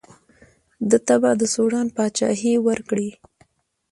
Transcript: ده ته به د سوډان پاچهي ورکړي.